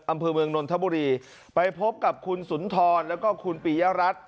อำเภอเมืองนนทบุรีไปพบกับคุณสุนทรแล้วก็คุณปียรัฐ